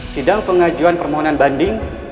sedang pengajuan permohonan banding